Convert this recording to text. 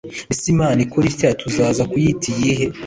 Mbese Imana ikora itya turaza kuyita iyihe